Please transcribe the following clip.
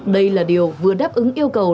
đây là điều vừa đáp ứng yêu cầu